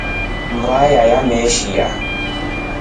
Mbaya imeshiya.